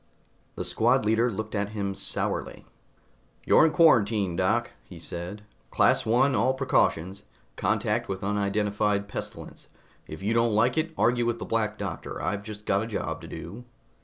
The squad leader looked at him sourly. "You're in quarantine, Doc," he said. "Class I, all precautions, contact with unidentified pestilence. If you don't like it, argue with the Black Doctor, I've just got a job to do."